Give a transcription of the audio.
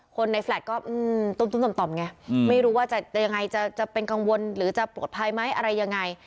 คนในพลัทก็ตุ้มไม่รู้ว่าจะเป็นกังวลหรือจะปลอดภัยไหมอะไรยังไง